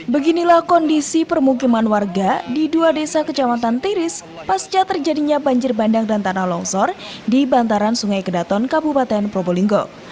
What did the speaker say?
beginilah kondisi permukiman warga di dua desa kejamatan tiris pasca terjadinya banjir bandang dan tanah longsor di bantaran sungai kedaton kabupaten probolinggo